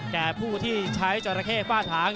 แก่ผู้ที่ใช้จราเข้ฝ้าถาง